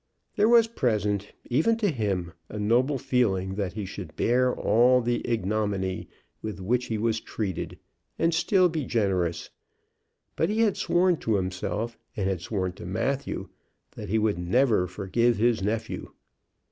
There was present, even to him, a noble feeling that he should bear all the ignominy with which he was treated, and still be generous. But he had sworn to himself, and had sworn to Matthew, that he would never forgive his nephew.